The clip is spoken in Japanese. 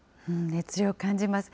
熱量感じます。